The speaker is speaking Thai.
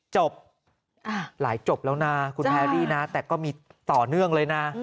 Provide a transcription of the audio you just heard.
จบหลายจบแล้วนะคุณแพรรี่นะแต่ก็มีต่อเนื่องเลยนะ